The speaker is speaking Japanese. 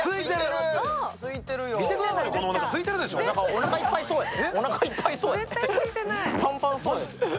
おなかいっぱいそうやで。